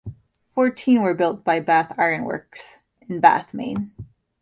Fourteen were built by Bath Iron Works in Bath, Maine.